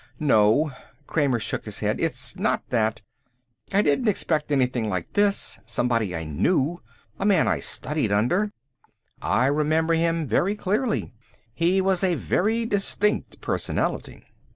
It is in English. "No." Kramer shook his head. "It's not that. I didn't expect anything like this, somebody I knew, a man I studied under. I remember him very clearly. He was a very distinct personality."